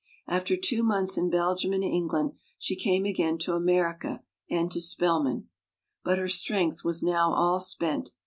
After two months in Belgium and England she came again to America, and to Spelman. But her strength was now all spent.